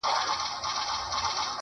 • چي یې سور د میني نه وي په سینه کي,